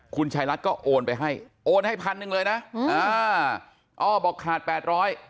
คุณชายรัฐก็โอนไปให้โอนให้พันหนึ่งเลยนะอ่าอ้อบอกขาดแปดร้อย